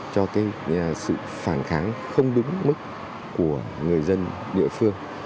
cho cái sự phản kháng không đúng mức của người dân địa phương